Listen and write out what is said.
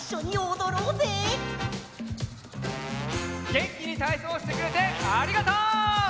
げんきにたいそうしてくれてありがとう！